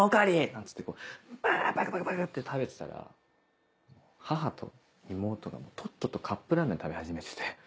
なんつってこうバクバクバク！って食べてたら母と妹がとっととカップラーメン食べ始めてて。